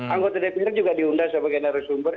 anggota dpr juga diundang sebagai narasumber